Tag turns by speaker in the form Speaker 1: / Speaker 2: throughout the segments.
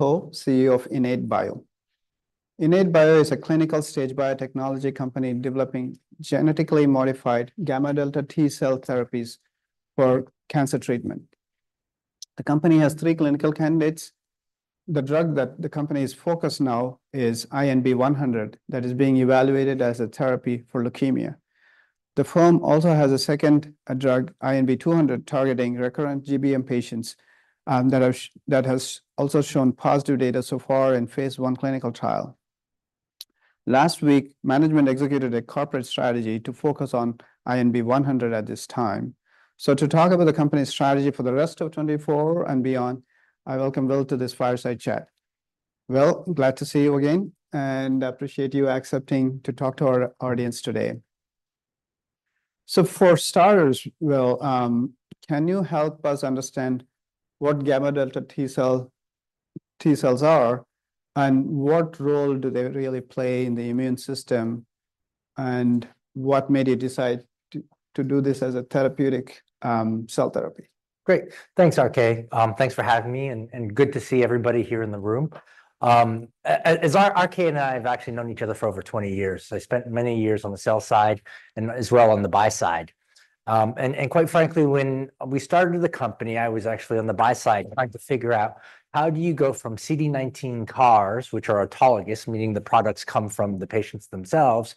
Speaker 1: CEO of IN8Bio. IN8Bio is a clinical-stage biotechnology company developing genetically modified gamma delta T cell therapies for cancer treatment. The company has three clinical candidates. The drug that the company is focused now is INB-100, that is being evaluated as a therapy for leukemia. The firm also has a second drug, INB-200, targeting recurrent GBM patients, that has also shown positive data so far in phase I clinical trial. Last week, management executed a corporate strategy to focus on INB-100 at this time. So to talk about the company's strategy for the rest of 2024 and beyond, I welcome Will to this fireside chat. Will, glad to see you again, and I appreciate you accepting to talk to our audience today. So for starters, Will, can you help us understand what gamma delta T cells are, and what role do they really play in the immune system? And what made you decide to do this as a therapeutic cell therapy?
Speaker 2: Great. Thanks, RK. Thanks for having me, and good to see everybody here in the room. As RK and I have actually known each other for over twenty years, so I spent many years on the sell side and as well on the buy side. And quite frankly, when we started the company, I was actually on the buy side, trying to figure out how do you go from CD19 CARs, which are autologous, meaning the products come from the patients themselves,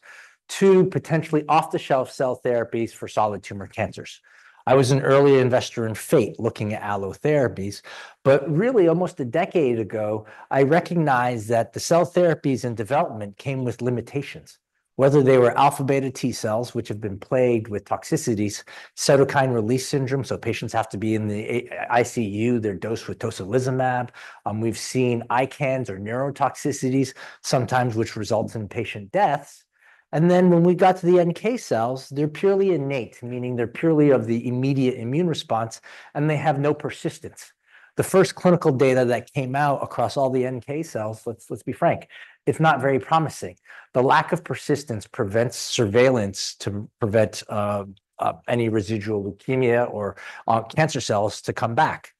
Speaker 2: to potentially off-the-shelf cell therapies for solid tumor cancers. I was an early investor in Fate, looking at allo therapies, but really, almost a decade ago, I recognized that the cell therapies in development came with limitations, whether they were alpha beta T cells, which have been plagued with toxicities, cytokine release syndrome, so patients have to be in the ICU. They're dosed with tocilizumab. We've seen ICANS or neurotoxicities, sometimes which results in patient deaths, and then when we got to the NK cells, they're purely innate, meaning they're purely of the immediate immune response, and they have no persistence. The first clinical data that came out across all the NK cells, let's be frank, if not very promising. The lack of persistence prevents surveillance to prevent any residual leukemia or cancer cells to come back,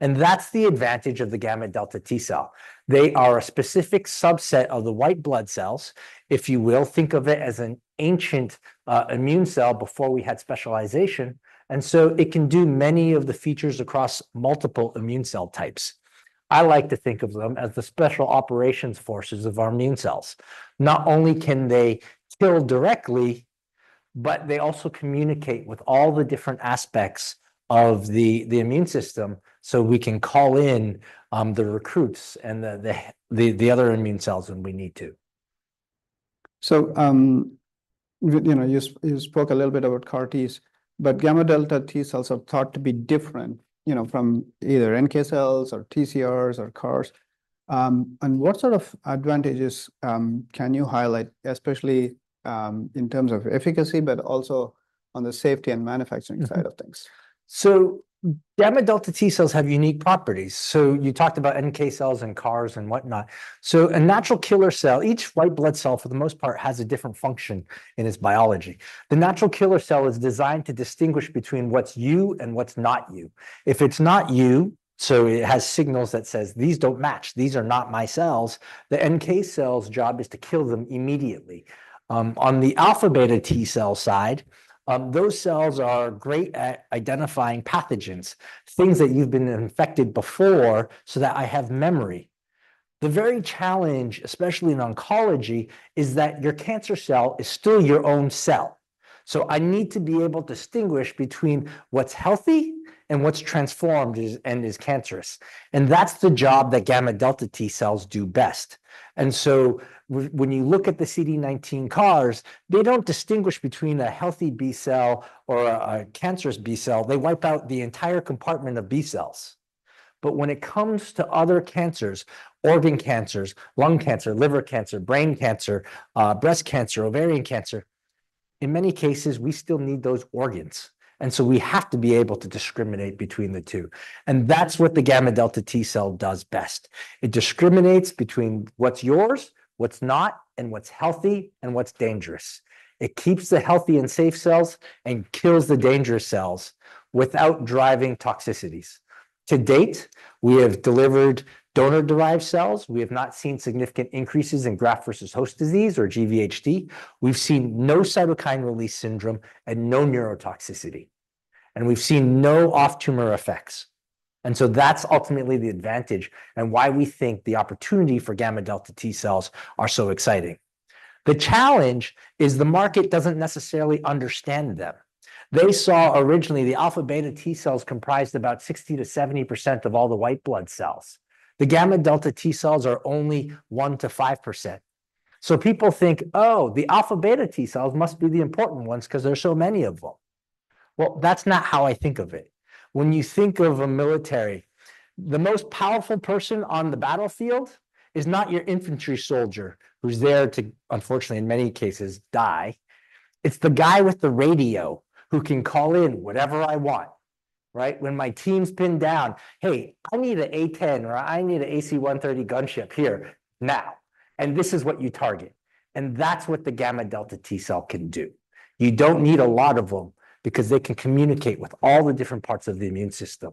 Speaker 2: and that's the advantage of the gamma delta T cell. They are a specific subset of the white blood cells. If you will, think of it as an ancient immune cell before we had specialization, and so it can do many of the features across multiple immune cell types. I like to think of them as the special operations forces of our immune cells. Not only can they kill directly, but they also communicate with all the different aspects of the immune system, so we can call in the recruits and the other immune cells when we need to.
Speaker 1: You know, you spoke a little bit about CAR Ts, but gamma delta T cells are thought to be different, you know, from either NK cells or TCRs or CARs. What sort of advantages can you highlight, especially in terms of efficacy, but also on the safety and manufacturing side of things?
Speaker 2: So gamma delta T cells have unique properties. So you talked about NK cells and CARs and whatnot. So a natural killer cell, each white blood cell, for the most part, has a different function in its biology. The natural killer cell is designed to distinguish between what's you and what's not you. If it's not you, so it has signals that says, "These don't match. These are not my cells," the NK cell's job is to kill them immediately. On the alpha beta T cell side, those cells are great at identifying pathogens, things that you've been infected before, so that I have memory. The very challenge, especially in oncology, is that your cancer cell is still your own cell, so I need to be able to distinguish between what's healthy and what's transformed and is cancerous, and that's the job that gamma delta T cells do best. And so when you look at the CD19 CARs, they don't distinguish between a healthy B cell or a cancerous B cell. They wipe out the entire compartment of B cells. But when it comes to other cancers, organ cancers, lung cancer, liver cancer, brain cancer, breast cancer, ovarian cancer, in many cases, we still need those organs, and so we have to be able to discriminate between the two, and that's what the gamma delta T cell does best. It discriminates between what's yours, what's not, and what's healthy and what's dangerous. It keeps the healthy and safe cells and kills the dangerous cells without driving toxicities. To date, we have delivered donor-derived cells. We have not seen significant increases in graft-versus-host disease, or GVHD. We've seen no cytokine release syndrome and no neurotoxicity, and we've seen no off-tumor effects, and so that's ultimately the advantage and why we think the opportunity for gamma-delta T cells are so exciting. The challenge is the market doesn't necessarily understand them. They saw originally, the alpha beta T cells comprised about 60%-70% of all the white blood cells. The gamma-delta T cells are only one to five%. So people think, "Oh, the alpha beta T cells must be the important ones 'cause there are so many of them." Well, that's not how I think of it. When you think of a military, the most powerful person on the battlefield is not your infantry soldier, who's there to, unfortunately, in many cases, die. It's the guy with the radio who can call in whatever I want, right? When my team's pinned down, "Hey, I need an A-10, or I need an AC-130 gunship here, now," and this is what you target... and that's what the gamma delta T cell can do. You don't need a lot of them, because they can communicate with all the different parts of the immune system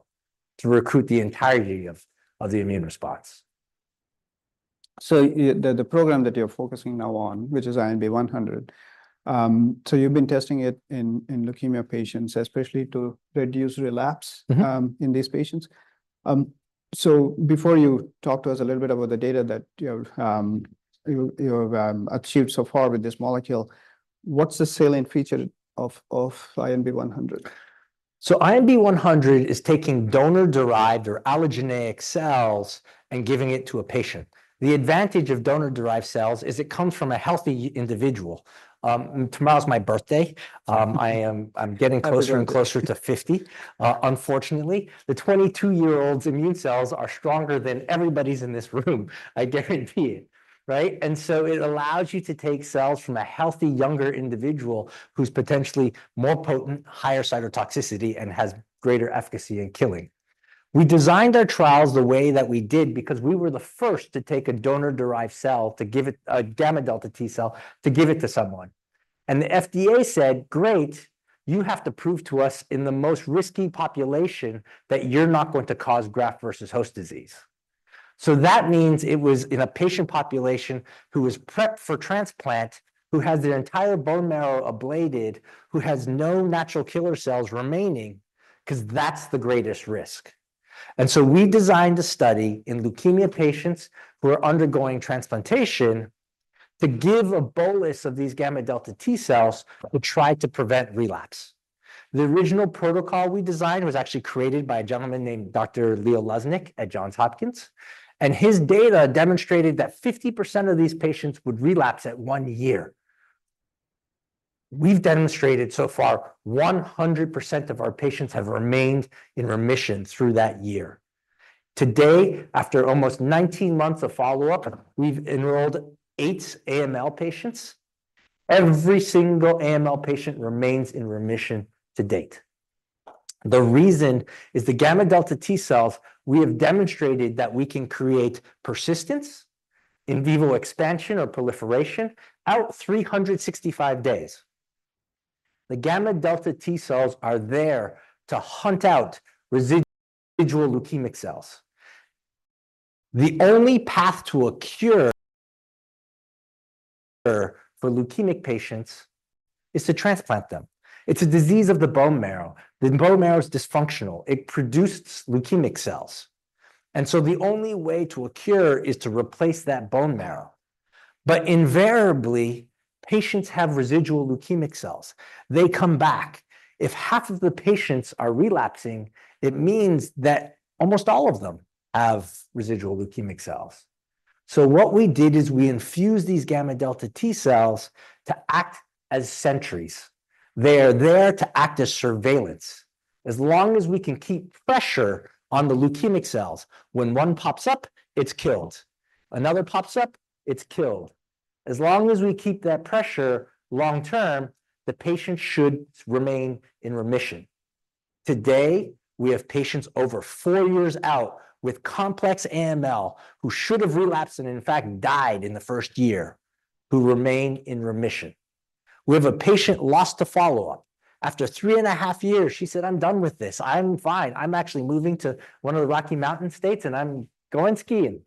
Speaker 2: to recruit the entirety of the immune response.
Speaker 1: The program that you're focusing now on, which is INB-100, so you've been testing it in leukemia patients, especially to reduce relapse.
Speaker 2: Mm-hmm....
Speaker 1: in these patients. So before you talk to us a little bit about the data that you have achieved so far with this molecule, what's the salient feature of INB-100?
Speaker 2: So INB-100 is taking donor-derived or allogeneic cells and giving it to a patient. The advantage of donor-derived cells is it comes from a healthy individual. Tomorrow's my birthday.
Speaker 1: Happy birthday!...
Speaker 2: I'm getting closer and closer to 50. Unfortunately, the 22-year-olds' immune cells are stronger than everybody's in this room, I guarantee it, right? And so it allows you to take cells from a healthy, younger individual who's potentially more potent, higher cytotoxicity, and has greater efficacy in killing. We designed our trials the way that we did because we were the first to take a donor-derived cell, to give it a gamma delta T cell, to give it to someone. And the FDA said, "Great, you have to prove to us in the most risky population, that you're not going to cause graft versus host disease." So that means it was in a patient population who was prepped for transplant, who has their entire bone marrow ablated, who has no natural killer cells remaining, 'cause that's the greatest risk. We designed a study in leukemia patients who are undergoing transplantation, to give a bolus of these gamma delta T cells to try to prevent relapse. The original protocol we designed was actually created by a gentleman named Dr. Leo Luznik at Johns Hopkins, and his data demonstrated that 50% of these patients would relapse at one year. We have demonstrated so far, 100% of our patients have remained in remission through that year. Today, after almost 19 months of follow-up, we have enrolled eight AML patients. Every single AML patient remains in remission to date. The reason is the gamma delta T cells. We have demonstrated that we can create persistence, in vivo expansion or proliferation, out 365 days. The gamma delta T cells are there to hunt out residual leukemic cells. The only path to a cure for leukemic patients is to transplant them. It's a disease of the bone marrow. The bone marrow is dysfunctional. It produces leukemic cells, and so the only way to a cure is to replace that bone marrow. But invariably, patients have residual leukemic cells. They come back. If half of the patients are relapsing, it means that almost all of them have residual leukemic cells. So what we did is we infused these gamma delta T cells to act as sentries. They are there to act as surveillance. As long as we can keep pressure on the leukemic cells, when one pops up, it's killed. Another pops up, it's killed. As long as we keep that pressure long-term, the patient should remain in remission. Today, we have patients over four years out with complex AML, who should have relapsed and, in fact, died in the first year, who remain in remission. We have a patient lost to follow-up. After three and a half years, she said, "I'm done with this. I'm fine. I'm actually moving to one of the Rocky Mountain states, and I'm going skiing,"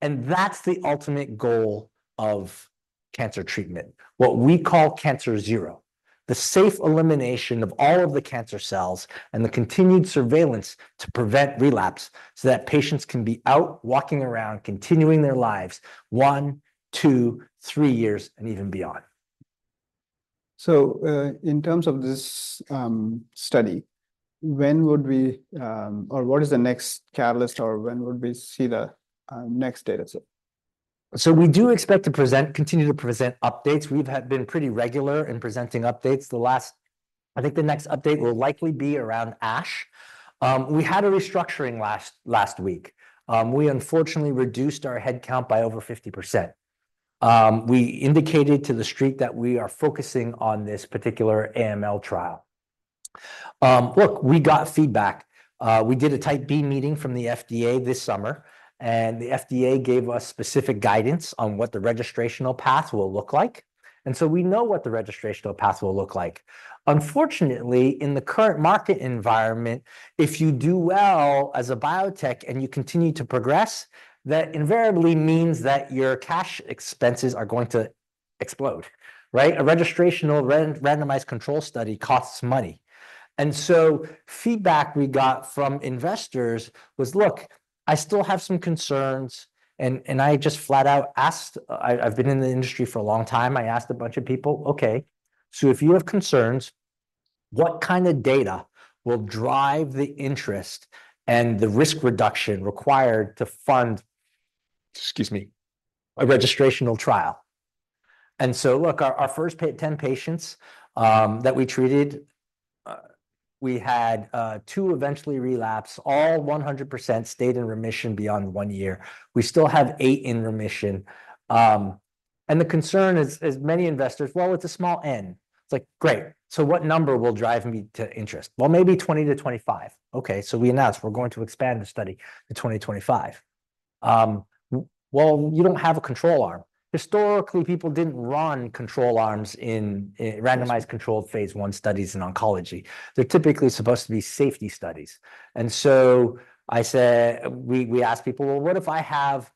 Speaker 2: and that's the ultimate goal of cancer treatment, what we call CancerZero, the safe elimination of all of the cancer cells and the continued surveillance to prevent relapse, so that patients can be out walking around, continuing their lives, one, two, three years, and even beyond.
Speaker 1: So, in terms of this study, when would we... Or what is the next catalyst, or when would we see the next data set?
Speaker 2: So we do expect to present, continue to present updates. We've been pretty regular in presenting updates. I think the next update will likely be around ASH. We had a restructuring last week. We unfortunately reduced our headcount by over 50%. We indicated to the street that we are focusing on this particular AML trial. Look, we got feedback. We did a Type B meeting from the FDA this summer, and the FDA gave us specific guidance on what the registrational path will look like, and so we know what the registrational path will look like. Unfortunately, in the current market environment, if you do well as a biotech and you continue to progress, that invariably means that your cash expenses are going to explode, right? A registrational randomized control study costs money, and so feedback we got from investors was, "Look, I still have some concerns." And I just flat out asked. I, I've been in the industry for a long time, I asked a bunch of people, "Okay, so if you have concerns, what kind of data will drive the interest and the risk reduction required to fund," excuse me, "a registrational trial?" And so, look, our first ten patients that we treated, we had two eventually relapse. All 100% stayed in remission beyond one year. We still have eight in remission. And the concern is, as many investors, "Well, it's a small N." It's like, "Great, so what number will drive me to interest?" "Well, maybe 20-25." Okay, so we announced we're going to expand the study to 20-25. Well, you don't have a control arm. Historically, people didn't run control arms in randomized-
Speaker 1: Yes....
Speaker 2: controlled phase I studies in oncology. They're typically supposed to be safety studies, and so I said, we, we asked people, "Well, what if I have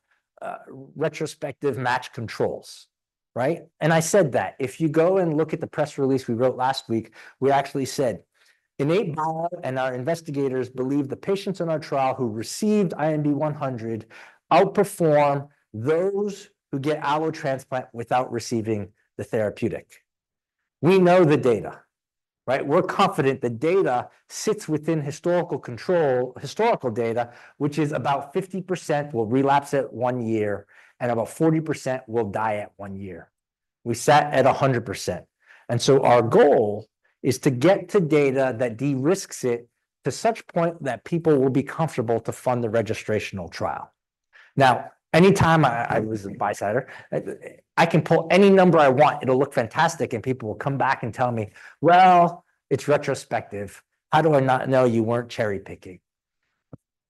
Speaker 2: retrospective matched controls, right?" I said that. If you go and look at the press release we wrote last week, we actually said, "IN8Bio and our investigators believe the patients in our trial who received INB-100 outperform those who get allo transplant without receiving the therapeutic." We know the data, right? We're confident the data sits within historical control, historical data, which is about 50% will relapse at one year, and about 40% will die at one year. We sat at 100%, and so our goal is to get to data that de-risks it to such point that people will be comfortable to fund the registrational trial. Now, anytime I was a bystander, I can pull any number I want, it'll look fantastic, and people will come back and tell me, "Well, it's retrospective. How do I not know you weren't cherry-picking?"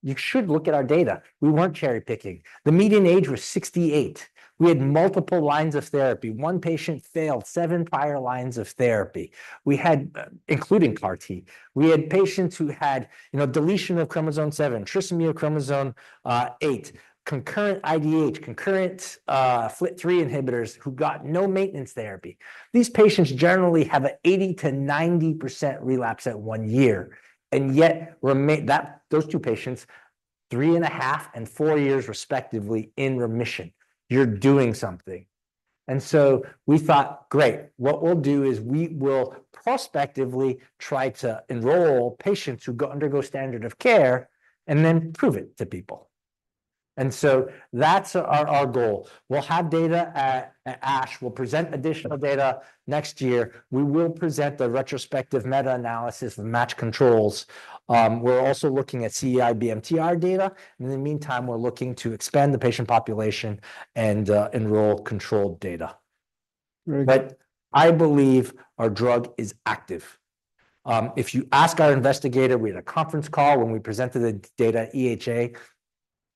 Speaker 2: You should look at our data. We weren't cherry-picking. The median age was 68. We had multiple lines of therapy. One patient failed seven prior lines of therapy. We had, including CAR T, we had patients who had, you know, deletion of chromosome 7, trisomy of chromosome 8, concurrent IDH, concurrent FLT3 inhibitors, who got no maintenance therapy. These patients generally have a 80%-90% relapse at one year, and yet remain. That, those two patients, three and a half and four years respectively in remission. You're doing something. And so we thought, "Great, what we'll do is we will prospectively try to enroll patients who undergo standard of care, and then prove it to people." And so that's our goal. We'll have data at ASH. We'll present additional data next year. We will present the retrospective meta-analysis of matched controls. We're also looking at CIBMTR data, and in the meantime, we're looking to expand the patient population and enroll controlled data.
Speaker 1: Right.
Speaker 2: I believe our drug is active. If you ask our investigator, we had a conference call when we presented the data at EHA.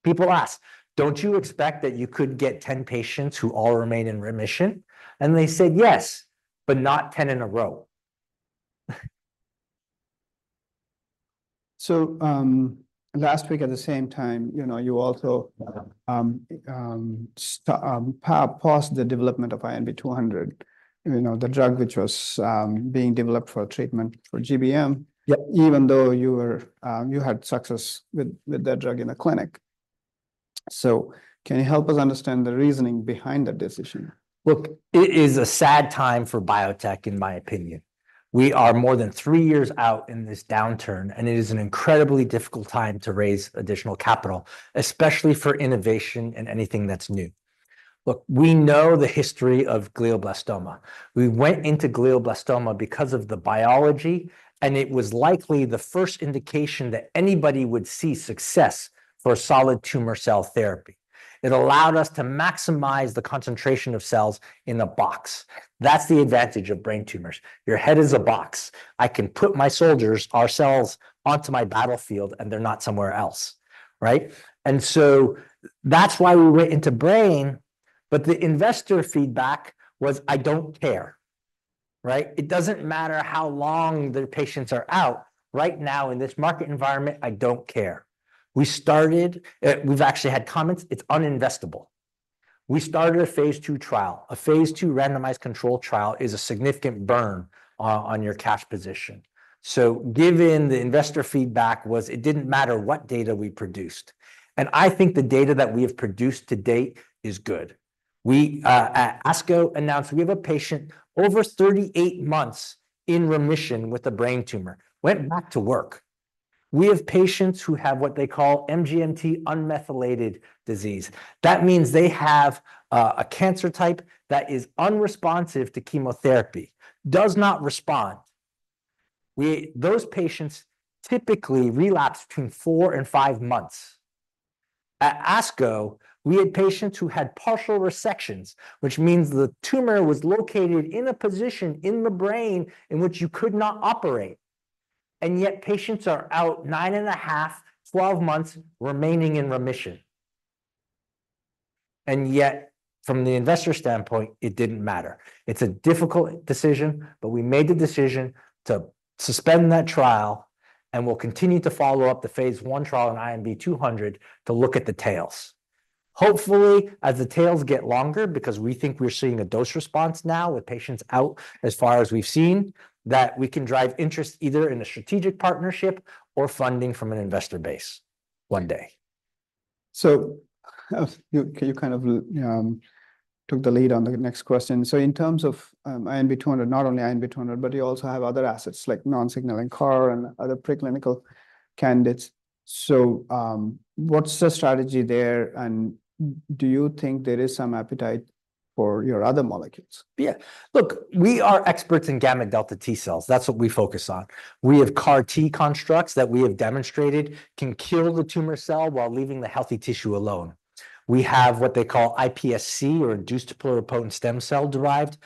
Speaker 2: People asked, "Don't you expect that you could get 10 patients who all remain in remission?" They said, "Yes, but not 10 in a row.
Speaker 1: So, last week, at the same time, you know, you also paused the development of INB-200, you know, the drug which was being developed for treatment for GBM-
Speaker 2: Yep....
Speaker 1: even though you were, you had success with that drug in the clinic, so can you help us understand the reasoning behind that decision?
Speaker 2: Look, it is a sad time for biotech, in my opinion. We are more than three years out in this downturn, and it is an incredibly difficult time to raise additional capital, especially for innovation and anything that's new. Look, we know the history of glioblastoma. We went into glioblastoma because of the biology, and it was likely the first indication that anybody would see success for solid tumor cell therapy. It allowed us to maximize the concentration of cells in a box. That's the advantage of brain tumors. Your head is a box. I can put my soldiers, our cells, onto my battlefield, and they're not somewhere else, right? And so that's why we went into brain, but the investor feedback was, "I don't care," right? "It doesn't matter how long the patients are out. Right now, in this market environment, I don't care." We started... We've actually had comments, "It's uninvestable." We started a phase II trial. A phase II randomized control trial is a significant burn on your cash position, so given the investor feedback was, it didn't matter what data we produced, and I think the data that we have produced to date is good. We at ASCO announced we have a patient over 38 months in remission with a brain tumor, went back to work. We have patients who have what they call MGMT unmethylated disease. That means they have a cancer type that is unresponsive to chemotherapy, does not respond. We those patients typically relapse between four and five months. At ASCO, we had patients who had partial resections, which means the tumor was located in a position in the brain in which you could not operate, and yet, patients are out nine and a half, twelve months, remaining in remission, and yet, from the investor's standpoint, it didn't matter. It's a difficult decision, but we made the decision to suspend that trial, and we'll continue to follow up the phase I trial on INB-200 to look at the tails. Hopefully, as the tails get longer, because we think we're seeing a dose response now with patients out, as far as we've seen, that we can drive interest either in a strategic partnership or funding from an investor base one day.
Speaker 1: You kind of took the lead on the next question. In terms of INB-200, not only INB-200, but you also have other assets, like non-signaling CAR and other preclinical candidates, so what's the strategy there, and do you think there is some appetite for your other molecules?
Speaker 2: Yeah. So we are experts in gamma-delta T cells. That's what we focus on. We have CAR T constructs that we have demonstrated can kill the tumor cell while leaving the healthy tissue alone. We have what they call iPSC, or induced pluripotent stem cell-derived,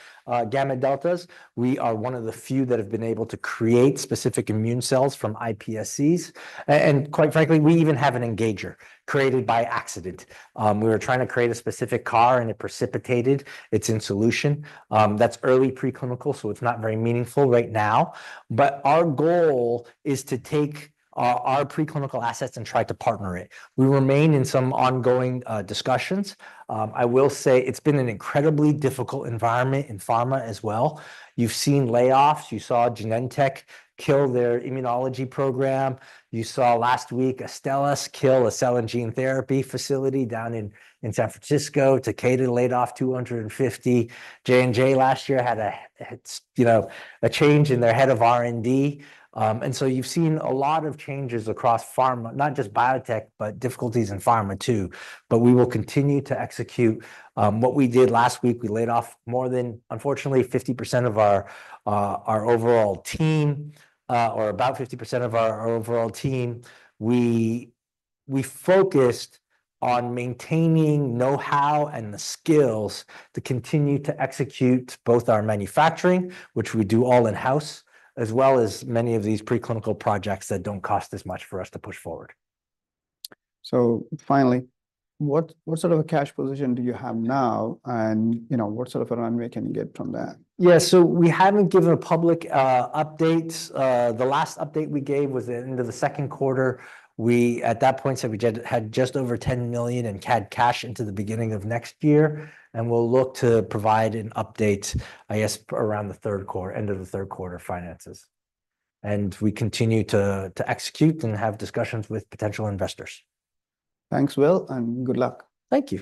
Speaker 2: gamma deltas. We are one of the few that have been able to create specific immune cells from iPSCs, and quite frankly, we even have an engager created by accident. We were trying to create a specific CAR, and it precipitated. It's in solution. That's early preclinical, so it's not very meaningful right now, but our goal is to take our preclinical assets and try to partner it. We remain in some ongoing discussions. I will say it's been an incredibly difficult environment in pharma as well. You've seen layoffs. You saw Genentech kill their immunology program. You saw last week Astellas kill a cell and gene therapy facility down in San Francisco. Takeda laid off 250. J&J last year had a, you know, a change in their head of R&D, and so you've seen a lot of changes across pharma, not just biotech, but difficulties in pharma, too. But we will continue to execute. What we did last week, we laid off more than, unfortunately, 50% of our overall team, or about 50% of our overall team. We focused on maintaining know-how and the skills to continue to execute both our manufacturing, which we do all in-house, as well as many of these preclinical projects that don't cost as much for us to push forward.
Speaker 1: So finally, what sort of a cash position do you have now, and you know, what sort of a runway can you get from that?
Speaker 2: Yeah, so we haven't given a public update. The last update we gave was at the end of the second quarter. We, at that point, said we had just over 10 million CAD in cash into the beginning of next year, and we'll look to provide an update, I guess, around the end of the third quarter finances. And we continue to execute and have discussions with potential investors.
Speaker 1: Thanks, Will, and good luck.
Speaker 2: Thank you.